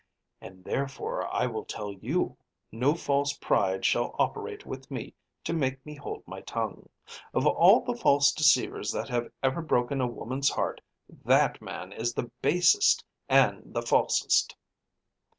"And therefore I will tell you. No false pride shall operate with me to make me hold my tongue. Of all the false deceivers that have ever broken a woman's heart, that man is the basest and the falsest."